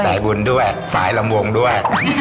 สายบุญด้วยสายลำวงด้วย